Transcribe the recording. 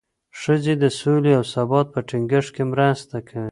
ښځې د سولې او ثبات په ټینګښت کې مرسته کوي.